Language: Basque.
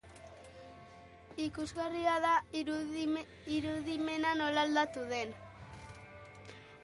Ikusgarria da ingurua nola aldatu den.